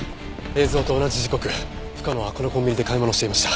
映像と同じ時刻深野はこのコンビニで買い物をしていました。